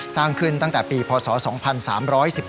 สร้างขึ้นตั้งแต่ปีพศ๒๓๑๗